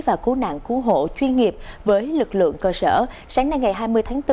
và cứu nạn cứu hộ chuyên nghiệp với lực lượng cơ sở sáng nay ngày hai mươi tháng bốn